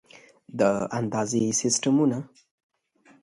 د اندازې سیسټمونه